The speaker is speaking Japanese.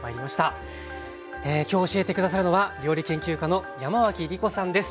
今日教えて下さるのは料理研究家の山脇りこさんです。